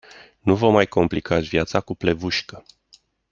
Nu vă mai complicați viața cu plevușcă.